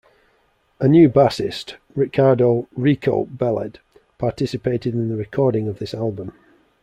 A new bassist, Ricardo "Rico" Belled, participated in the recording of this album.